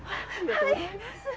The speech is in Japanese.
はい。